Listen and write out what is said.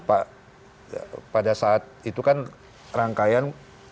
pak pada saat itu kan rangkaian dua ribu empat belas